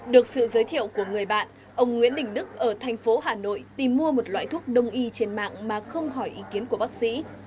được sự giới thiệu của người bạn ông nguyễn đình đức ở thành phố hà nội tìm mua một loại thuốc đông y trên mạng mà không hỏi ý kiến của bác sĩ